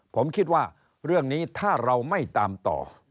ผมคิดว่าเรื่องนี้ถ้าเราไม่ตามต่อ